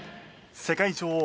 世界女王